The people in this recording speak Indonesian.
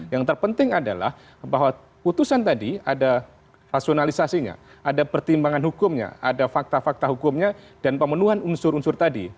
yang terpenting adalah bahwa putusan tadi ada rasionalisasinya ada pertimbangan hukumnya ada fakta fakta hukumnya dan pemenuhan unsur unsur tadi